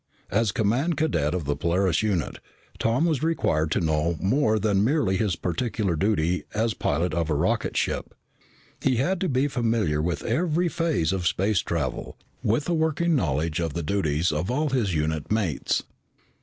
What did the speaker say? As command cadet of the Polaris unit, Tom was required to know more than merely his particular duty as pilot of a rocket ship. He had to be familiar with every phase of space travel, with a working knowledge of the duties of all his unit mates.